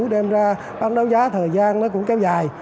đem ra bán đấu giá thời gian nó cũng kéo dài